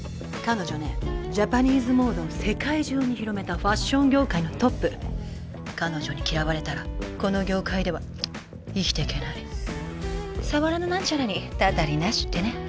彼女ねジャパニーズモードを世界中に広めたファッション業界のトップ彼女に嫌われたらこの業界では生きていけない触らぬナンチャラにたたりなしってね